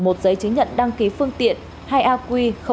một giấy chứng nhận đăng ký phương tiện hai aq